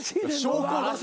証拠を出せ。